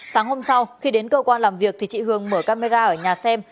sáng hôm sau khi đến cơ quan làm việc thì chị hường mở camera ở nhà xem